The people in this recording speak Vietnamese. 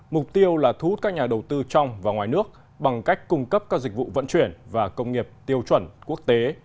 mục tiêu là thu hút các nhà đầu tư trong và ngoài nước bằng cách cung cấp các dịch vụ vận chuyển và công nghiệp tiêu chuẩn quốc tế